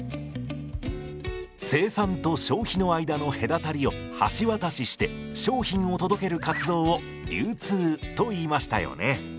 生産と消費の間の隔たりを橋渡しして商品を届ける活動を流通といいましたよね。